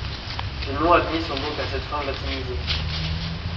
Les noms admis sont donc à cette fin latinisés.